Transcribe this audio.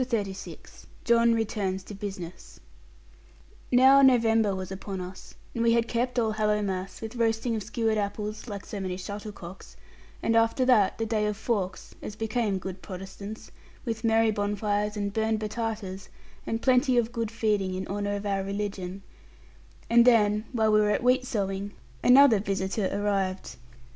CHAPTER XXXVI JOHN RETURNS TO BUSINESS Now November was upon us, and we had kept Allhallowmass, with roasting of skewered apples (like so many shuttlecocks), and after that the day of Fawkes, as became good Protestants, with merry bonfires and burned batatas, and plenty of good feeding in honour of our religion; and then while we were at wheat sowing, another visitor arrived.